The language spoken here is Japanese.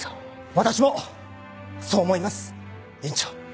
私もそう思います院長。